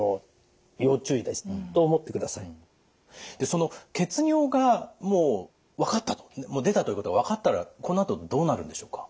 その血尿が出たということが分かったらこのあとどうなるんでしょうか？